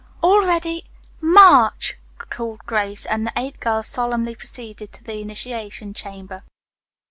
"All ready! March!" called Grace, and the eight girls solemnly proceeded to the initiation chamber.